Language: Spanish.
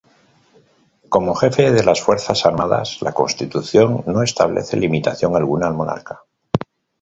Como Jefe de las Fuerzas Armadas la Constitución no establece limitación alguna al monarca.